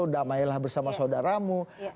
damailah bersama saudaramu